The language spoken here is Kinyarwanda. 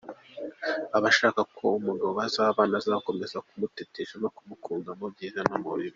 Aba ashaka ko umugabo bazabana azakomeza kumukunda no kumutetesha mu byiza no mu bibi.